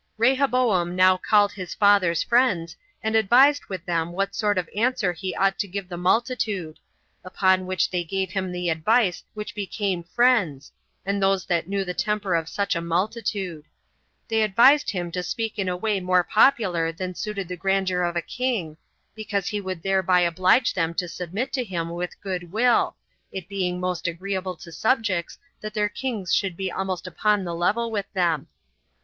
2. Rehoboam now called his father's friends, and advised with them what sort of answer he ought to give to the multitude; upon which they gave him the advice which became friends, and those that knew the temper of such a multitude. They advised him to speak in a way more popular than suited the grandeur of a king, because he would thereby oblige them to submit to him with goodwill, it being most agreeable to subjects that their kings should be almost upon the level with them.